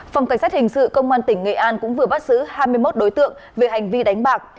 phòng cảnh sát hình sự công an tỉnh nghệ an cũng vừa bắt giữ hai mươi một đối tượng về hành vi đánh bạc